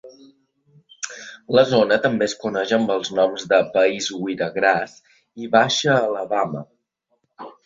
La zona també es coneix amb els noms de País Wiregrass i Baixa Alabama.